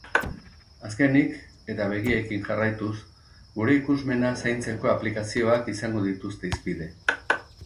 Azkenik, eta begiekin jarraituz, gure ikusmena zaintzeko aplikazioak izango dituzte hizpide.